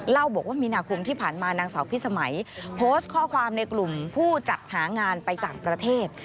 เล่าบอกว่ามีนาคมที่ผ่านมานางสาวพิสมัยโพสต์ข้อความในกลุ่มผู้จัดหางานไปต่างประเทศ